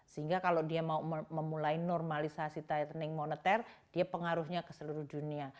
sehingga kalau dia mau memulai normalisasi tightening moneter dia pengaruhnya ke seluruh dunia